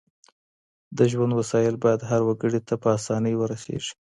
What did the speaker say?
د ژوند وسايل بايد هر وګړي ته په اسانۍ ورسيږي.